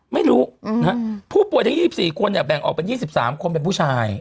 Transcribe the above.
ไม่รู้ผู้ป่วยทั้ง๒๔คนเนี่ยแบ่งออกเป็น๒๓คนเป็นผู้ชาย